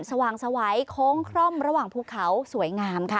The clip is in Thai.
สว่างสวัยโค้งคร่อมระหว่างภูเขาสวยงามค่ะ